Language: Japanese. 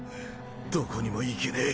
どこにも行けねぇ。